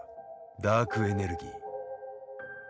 ダークエネルギー。